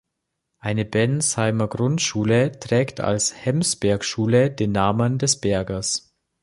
Eine Bensheimer Grundschule trägt als "Hemsberg-Schule" den Namen des Berges.